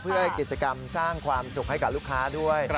เพื่อกิจกรรมสร้างความสุขให้กับลูกค้าด้วย